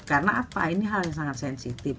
karena apa ini hal yang sangat sensitif